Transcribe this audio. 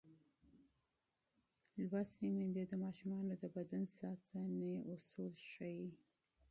تعلیم یافته میندې د ماشومانو د بدن ساتنې اصول ښيي.